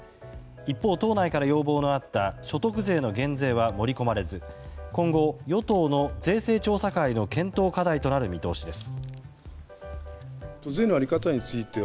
一方、党内から要望のあった所得税の減税は盛り込まれず今後、与党の税制調査会の検討課題となる見通しです。